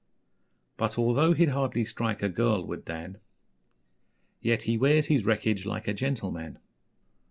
But, although he'd hardly strike a Girl, would Dan, Yet he wears his wreckage like a Gentleman!